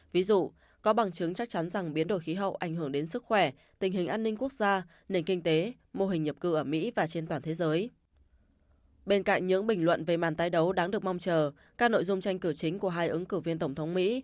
ví dụ có bằng chứng chắc chắn rằng biến đổi khí hậu ảnh hưởng đến sức khỏe tình hình an ninh quốc gia nền kinh tế mô hình nhập cư ở mỹ và trên toàn thế giới